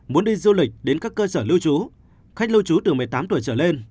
muốn đi du lịch đến các cơ sở lưu trú khách lưu trú từ một mươi tám tuổi trở lên